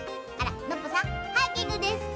ノッポさんハイキングですか？